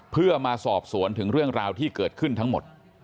เพื่อมาสอบสวนถึงเรื่องราวที่เกิดขึ้นทั้งหมด